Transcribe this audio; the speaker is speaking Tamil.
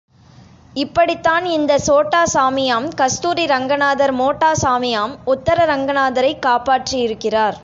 இப்படித்தான் இந்தச் சோட்டா சாமியாம் கஸ்தூரி ரங்கநாதர் மோட்டா சாமியாம் உத்தர ரங்கநாதரைக் காப்பாற்றியிருக்கிறார்.